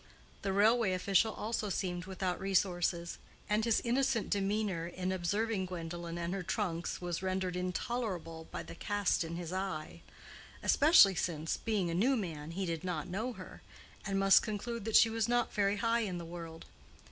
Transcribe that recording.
The railway official also seemed without resources, and his innocent demeanor in observing Gwendolen and her trunks was rendered intolerable by the cast in his eye; especially since, being a new man, he did not know her, and must conclude that she was not very high in the world.